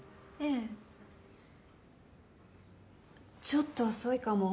ちょっと遅いかも。